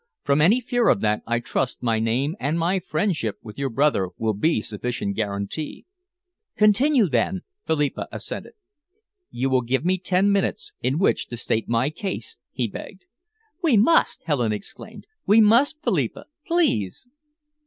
From any fear of that, I trust my name and my friendship with your brother will be sufficient guarantee." "Continue, then," Philippa assented. "You will give me ten minutes in which to state my case," he begged. "We must!" Helen exclaimed. "We must, Philippa! Please!"